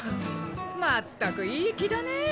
まったくいい気だねぇ。